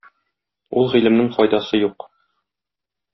Ул гыйлемнең файдасы юк.